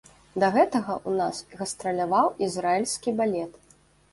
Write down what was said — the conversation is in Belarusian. Да гэтага ў нас гастраляваў ізраільскі балет.